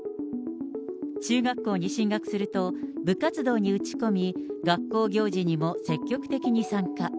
中学校に進学すると、部活動に打ち込み、学校行事にも積極的に参加。